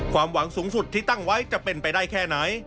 ความหวังสูงสุดที่ตั้งไว้จะเป็นไปได้แค่ไหน